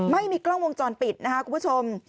ไม่มีกล้องวงจรปิดนะครับคุณผู้ชม